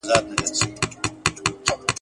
بیا پر خیالي کوثر جامونه ښيي ..